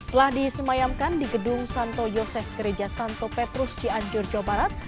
setelah disemayamkan di gedung santo yosef gereja santo petrus cianjur jawa barat